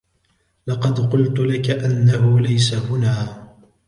لقد قلت لك أنه ليس هنا.